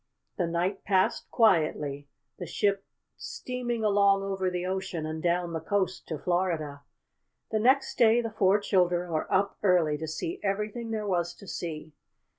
The night passed quietly, the ship steaming along over the ocean, and down the coast to Florida. The next day the four children were up early to see everything there was to see.